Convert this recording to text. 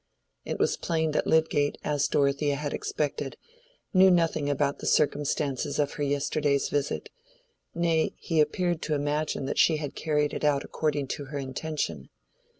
It was plain that Lydgate, as Dorothea had expected, knew nothing about the circumstances of her yesterday's visit; nay, he appeared to imagine that she had carried it out according to her intention.